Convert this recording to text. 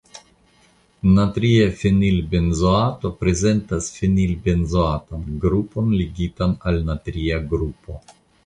Natria fenilbenzoato prezentas fenilbenzoatan grupon ligitan al natria grupo.